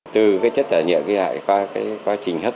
từ chất thải nhựa nguy hại qua quá trình hấp